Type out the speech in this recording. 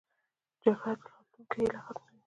جګړه د راتلونکې هیله ختموي